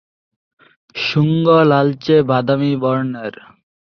শুঙ্গ লালচে-বাদামী বর্নের।